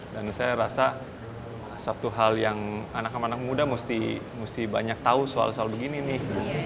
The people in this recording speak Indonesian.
dan saya rasa satu hal yang anak anak muda mesti banyak tahu soal soal begini nih